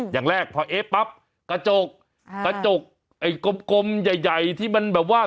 อย่างแรกพอเอ๊ะปั๊บกระจกกระจกไอ้กลมใหญ่ใหญ่ที่มันแบบว่า